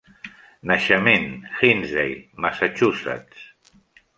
Naixement: Hinsdale, Massachussetts.